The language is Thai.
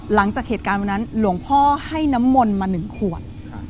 หลังจากเหตุการณ์วันนั้นหลวงพ่อให้น้ำมนต์มา๑ขวด